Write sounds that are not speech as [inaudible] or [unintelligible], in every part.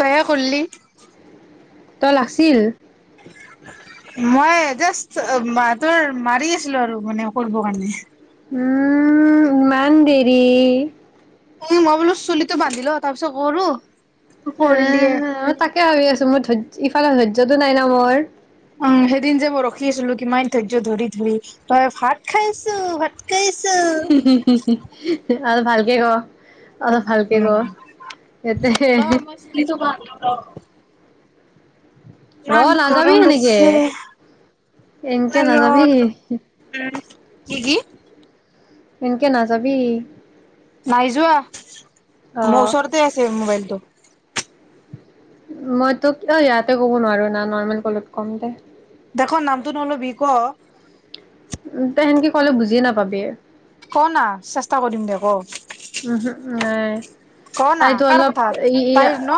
দয়া কৰিলে তেল আছিল। মই জাষ্ট বাতৰ মাৰি আছিলো আৰু মানে, কৰিব কাৰণে। উম, ইমান দেৰি। উ মই বোলো চুলিতো বান্ধি লওঁ, তাৰ পিছত কৰোঁ। এ, মই তাকে ভাবি আছোঁ মই ধৈৰ্য ইফালে, ধৈয্যতটো নাই না মোৰ। উ, সেইদিন যে মই ৰখি আছিলো কিমান ধৈৰ্য ধৰি, ধৰি, তই ভাত খাই আছোঁ ভাত খাই আছোঁ। হি! হি! হি! হি! আৰু ভালকে ক'। অলপ ভালকে ক, ইয়াতে। ৰ মই চুলি ৰ ইমান নাযাবি গৰম সেনেকে, হৈছে, এনকে নাযাবি। উম, কি? কি? এনকে নাযাবি নাই যোৱা, মোৰ অ'। ওচৰতে আছে মোবাইলটো। মইতো ইয়াতে ক'ব নোৱাৰো না, নৰ্মেল কম দে। দেখোন নামটো নলবি ক? উ তই সেনকে কলে বুজিয়ে নাপাবি। ক না চেষ্টা কৰিম দে, ক। উমহম! নাই ক না তাইটো কাৰ অলপ কথা তাইৰ ন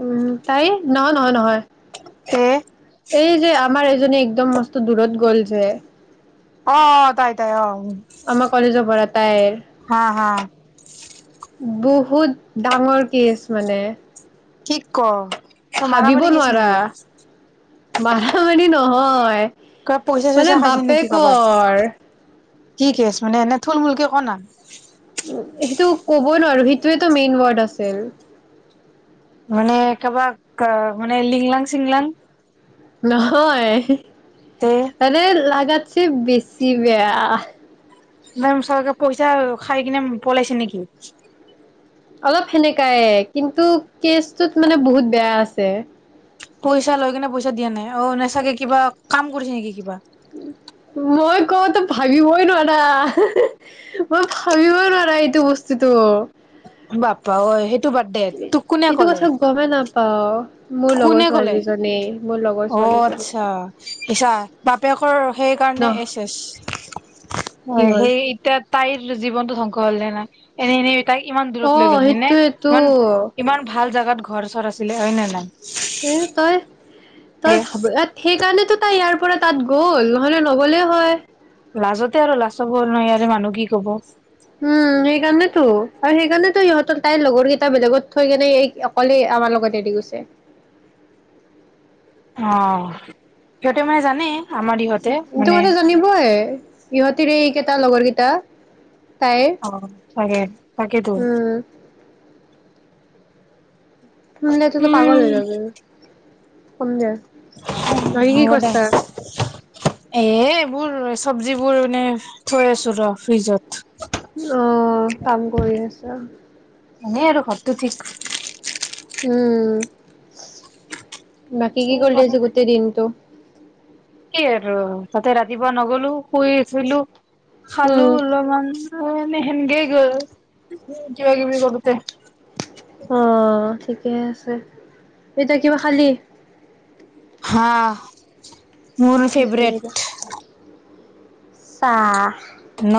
উম তাই, নহয়! নহয়! নহয়! এ এই যে আমাৰ এজনে, একদম মস্ত দূৰত গ'ল যে। অ' তাই, তাই, অ'! আমাৰ কলেজৰ পৰা। তাইৰ হা। হা। বহুত ডাঙৰ কেছ মানে। কি ক তই ভাবিব মাৰামাৰি কেছ নোৱাৰা নেকি মাৰা মাৰি নহয়। হয়। কিবা পইচা চইচা মানে খাইছে নেকি কাৰোবাৰ বাপেকৰ কি কেছ মানে এনে থুলমূুলকে ক ন উ সেইটো কব নোৱাৰো সেইটোৱেই ত মেইন ৱৰ্ড আছিল মানে কাৰোবাক মানে লিংলাং চিংলাং নহয়। তে মানে লাগাত ছি বেছি বেয়া ম চৰকাৰে পইচা খাই কিনে পলাইছে নেকি। অলপ সেনেকাইে কিন্তু কেচটোত মানে বহুত বেয়া আছে। পইচা লৈ কিনে পইচা দিয়া নাই অ নেচাগে কিবা কাম কৰিছে নেকি কিবা। মই কতো ভাবিবই নোৱাৰা মই ভাবিবই নোৱাৰা এইটো বস্তুতটো। বাপা অই সেই তোৰ বাৰ্থডে তোক কোনে ক'লে অ কোনে কলে অ ছোৱালীজনী আচ্ছা পেছা বাপেকৰ সেইকাৰণে নহ এচ এচ কি হয় হ'ল সেই এতিয়া তাইৰ জীৱনতটো সং গলে নে নাই এনেনে তাইক ইমান অ দূৰত লৈ গ'ল হয় নে সেইটোয়েতো ইমান ইমান ভাল জাগাত গ ঘৰ চৰ আছিলিলে হয় নে নাই। এ তই তই এ ভাবয়ে ঠিক সেইকাৰণেতো তাই ইয়াৰ পৰা তাত গ'ল নহলে নগলে হয় লাজতে আৰু লাজ চাব নাই ইয়াৰে মানুহ কি কব। উম সেইকাৰণেতো আৰু সেইকাৰণেতো ইহঁতৰ তাইৰ লগৰ কেইটা বেলেগত থৈ কেনে এই অকলেই আমাৰ লগত এৰি গৈছে অ সিহঁতে মানে জানেই তোৰ কথা জানিবয়ে ইহঁতিৰে এইকেইটা লগৰকেইটা অ হয় উম শুনিলে এইটোতো পাগল উম হৈ যাব। শুননা। হ'ব দে। এ এইবোৰ চব্জিবোৰ মানে থৈ আছো ৰ ফ্ৰিজত অ', কাম কৰি আছা, এনেই আৰু ঘৰতো ঠিক। উম। বাকী কি কৰিলি আজি গোটেই দিনটো। সে আৰু তাতে ৰাতিপুৱা নগলো শুই আছিলো খালো উম, অলপমান অঁ এনে সেনকে গল কিবা কিবি কৰোতে অঁ ঠিকে ঠিকে আছে এতিয়া কিবা খালি। হা মোৰ কি খালি বা? ফেভৰেট চাহ ন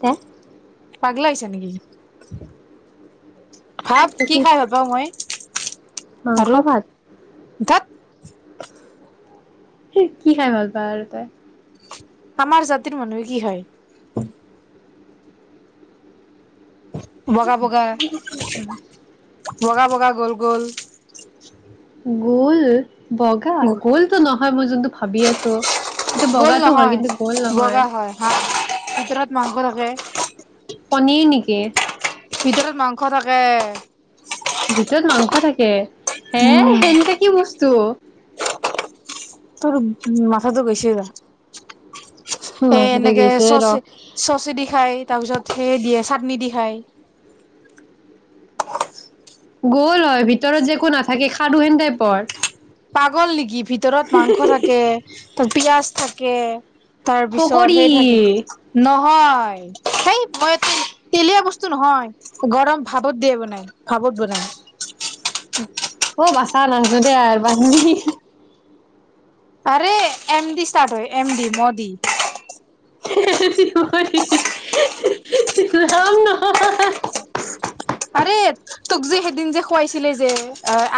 তে পাগলা হৈছা নেকি ভাব কি খাই ভাল পাওঁ মই মাংস ভাত ধেত কি খাই ভাল পাওঁ আৰু তই আমাৰ জাতিৰ মানুহে কি খায় বগা, বগা, কি হয়? বগা, বগা, গ'ল গ'ল গ'ল। বগা গ'লটো নহয় মই যোনটো ভাবি আছোঁ এইটো গুল বগাটো হয় নহয় কিন্তু গোল নহয়, বগা হয় হাঁ ভিতৰত মাংস থাকে পনীৰ নেকি? ভিতৰত মাংস থাকে। ক থাকে হে উম সেনেকে কি বস্তু [unintelligible] তোৰ মাথাটো গৈছে যা এ মাথাটো এনেকে গৈছে চচ ৰ' চচি দি খাই তাৰ পিছত সেই দিয়ে চ নিদিহাই গুল নহয় ভিতৰত যে একো নাথাকে সাধু হেন টাইপৰ পাগল নেকি ভিতৰত মাংস থাকে তাত পিয়াজ থাকে কে তাৰপিছত পকৰী সেই থাকে নহয় সেই মই এ তেলীয়া বস্তু নহয় গৰম ভাপত দিয়ে বনাই ভাপত বনাই অ বাস [unintelligible] আৰে এম ডি ষ্টাৰ্ট হয় এম ডি মদি ৰাম নহয় [unintelligible] আৰে তোক যে সেইদিন যে খুৱাইছিলে যে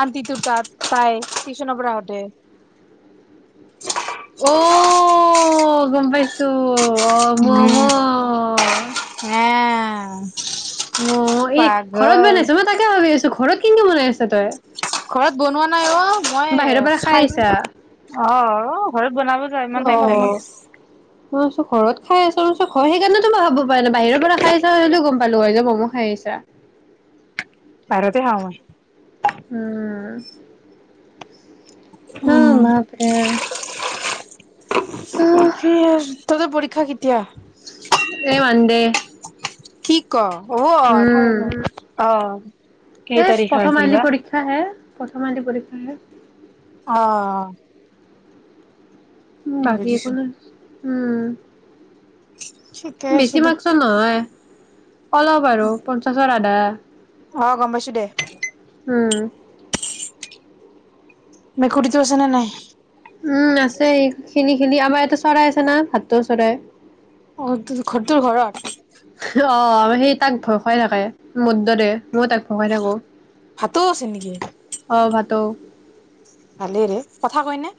আন্টি তোৰ তাত তাই টিউচনৰ পৰা আহোতে অ গম পাইছো অ মম উম অ অ এ ঘৰত বেনাইছো মই তাকে ভাবি আছো ঘৰত। কিনো বনাই আছ তই? ঘৰত বনোৱা নাই অ মই বাহিৰৰ পৰা খাই আহিছা খাই অ ঘৰত বনাব যা ইমান টাইম লাগে। ম ঘৰত খাই আছ আৰু সেইকাৰণেতো মই ভাব পাই ন বাহিৰৰ পৰা খাই আছা হলেও গম পালো হয় যে ম'ম খাই আহ আহিছা পাৰতে খাওঁ মই উম হ বাপৰে আহ [unintelligible] এ ম দে কি ক অ অ অ এ', প্ৰথম আইলি পৰীক্ষা হে। প্ৰথম আদি পৰীক্ষা হে অ', উম', বাকী একো বুজিছো নাই। উম', ঠিকে আছে বেছি দে মাৰ্কসৰ নহয়। অলপ আৰু পঞ্চাশৰ আধা ব [unintelligible] অ', গম পাইছো দে। উম', মেকুৰীটো আছে নে নাই? উম ', আছে স খিনি খিনি আমাৰ ইটো চৰাই আছে না ভাতটো চৰাই। অ', তোৰ ঘৰতোৰ ঘৰত অ সেই তাক ভসাই থাকে মদ দে মই তাক ভ খাই থাকো। ভাটৌ আছে নেকি? অ ভাটৌ ভালেই ৰে কথা কয়নে?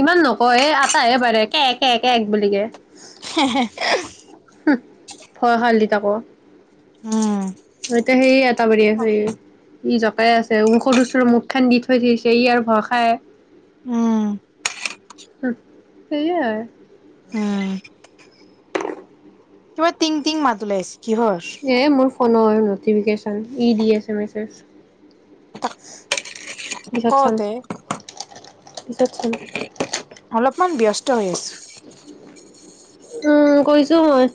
ইমান নকয় এ ', আটাহে পাৰে কে- কে - কে বুলি কে', হে - হে - হে - হে হম ', ভয় হাল দি তাকৌ উম ভয়তে সেই আটা বাৰ আছে ই জকাই আছে, ওষধ ওচৰ মুখ খন দি থৈ থৈছে ই আৰু ভয় খাই। উম', হহ ', সেইয়া [unintelligible] উম কিবা, টিং-টিং মাত ওলাইছে কিহৰ? এ মোৰ ফোনৰ ন'টিফিকেশ্যন ই দি আছে মেছেজ পিছত চাম কওঁতে, পিছত চাম অলপমান ব্যস্ত হৈ আছো। [unintelligible] উম, কৰিছো মই।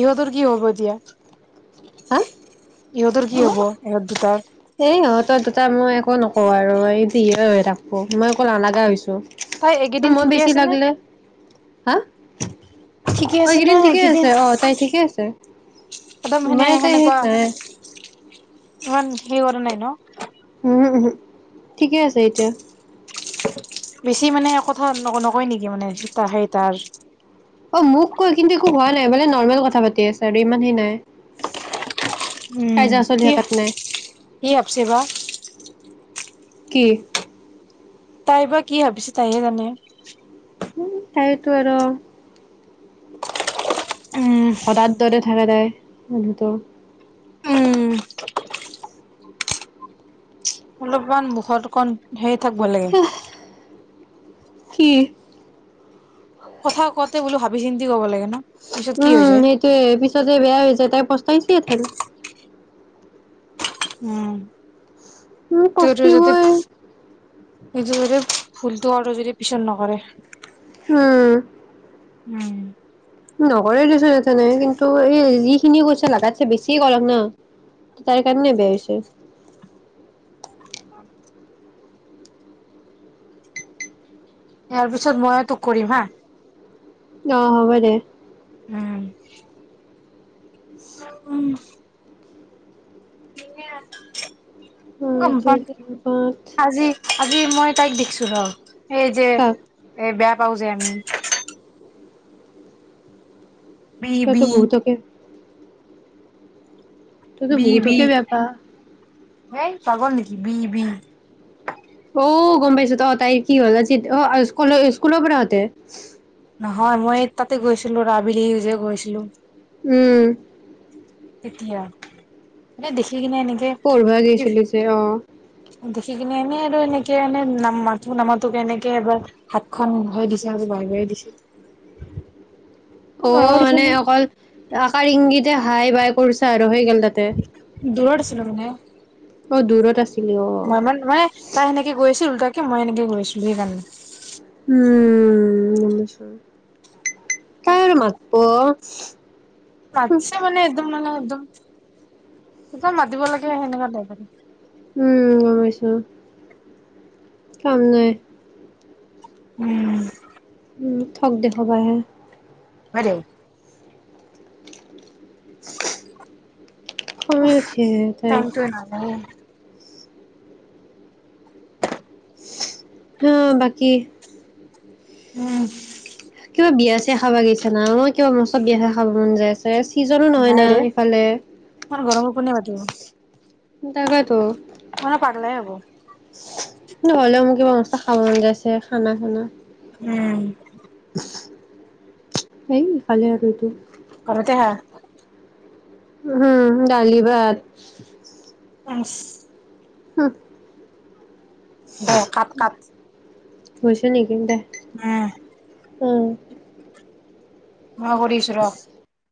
ইহঁতৰ কি হ'ব এতিয়া? হা ইহঁতৰ কি হব ইহঁত দুটাৰ? এ ইহঁতৰ দুটা মই একো নকওঁ আৰু এই যি হয় হৈ থাকব, মই একো নালাগা হৈছো। তাই এইকেইদিন মই ঠিকে বেছি আছে নে লাগিলে, হা, অ ঠিকে আছে নে একেইদিন ঠিকেই এইকেইদিন আছে, অ তাই ঠিকে আছে, একদম সেনে মই তাই সেই সেনেকুৱা নাই [unintelligible] ইমান ধৰিব পৰা নাই ন ওহোঁ-ওহোঁ, ঠিকে আছে এতিয়া। বেছি মানে কথা নকয় নেকি? মানে সেই তাই অ মোক কয় কিন্তু একো হোৱা নাই মানে নৰ্মেল কথা পাতি আছে, ইমানদিনে কি, কি ভাবছে বা? কি? তাই বা কি ভাবিছে তাইহে জানে? উম, তাই সেইটো আৰু উম সদায় দৰে থাকে তাই মানুহটো উম অলপমান মুখত অকণ ধেৰ থাকিব লাগে। কি? কথা কওঁতে বোলো, ভাবি চিন্তি কব লাগে ন। পিছত কি হৈ উম, যায় সেইটোয়ে, পিছতে বেয়া হৈ যায়, তাই পস্তাইছে সেইকাৰণে উম উম তোৰ তো যদি পস্তিবই নিজৰ যদি ভুলটো আৰু যদি, পিছত নকৰে হুম। উম নকৰে দিছোন এ নাই কিন্তু এই যিখিনিয়ে কৈছে লাছে বেছিয়ে কৰক না তাৰ কাৰণে বেয়া হৈছে। অ ইয়াৰ পিছত মইও তোক কৰিম হা অহ হব দে উম। উম। কেনে? উম তিত উম। আজি আজি মই তাইক দেখিছোঁ ৰ এই যে কাক এই বেয়া পাও যে আমি। বি তইতো বি বহুতকে তইতো বি বি বহুতকে বেয়া পা হেই পাগল নেকি, বি বি? অ গম পাইছো অ তাইৰ কি হ'ল আজি অ স্কুল স্কুলৰ পৰাহতে নহয় মই তাতে গৈছিলো ৰাবিলিউ যে গৈছিলো। উম তেতিয়া মানে দেখি দেখি কিনে এনেকে পঢ়বা গৈছিলি যে অ দেখি কিনে এনে আৰু এনেকে মানে নাম মাতো নামাতো কেনেকে এবাৰ হাতখন হৈ দিছে আৰু বাহিৰ দিছে। অ মইও দিছো মানে নি অকল আশাৰ ইংগিত এয়া হাই বাই কৰিছা আৰু হৈ গেল দুৰত আছে ন মানে অ দূৰত আছিলি অ মই মানে তাই সেনেকে গৈ আছিল তাক মই এনেকে গৈছিলো সেইকাৰণে উম গম পাইছো আৰু, তাই আৰু মাতব তাতছে মানে, একদম মানে [inaudible] মাতিব লাগে সেনেকা টাইপ উম বুজিছো। কাম নাই। উম উম, থক দেখাবা আহে। হয় দে। [inaudible] খঙেই উঠি আহে ধেই টাইমটো নাজানে। হ, বাকী? উম। কিবা বিয়া-চিয়া খাবা গেছা না? মই কিবা মস্ত বিয়া-চিয়া খাবা মন যাই আছে। সিজনো নহয় নাই না ইফালে অ তাকেইতো মহা পাগলা এই হব কিন্তুহ'লেও মোৰ কিবা বস্তু খাব মন যাই আছে খানা সানা উম এইফালে আৰু এইটো ঘৰতে হা উম ডালি ভাত, ইচ হ দে কাট কাট হৈছে নেকি দে উম উ মই কৰি আছো ৰহ